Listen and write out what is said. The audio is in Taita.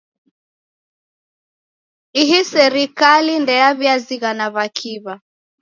Ihi serikali ndeyaw'iazighana w'akiw'a.